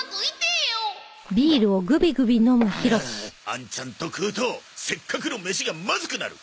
あんちゃんと食うとせっかくの飯がまずくなる。